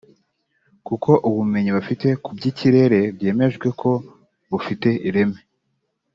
kuko ubumenyi bafite ku by’ikirere byemejwe ko bufite ireme